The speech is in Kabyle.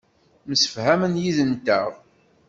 Msefhamen yid-nteɣ.